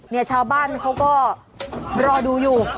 ชาวบ้านเขาก็รอดูอยู่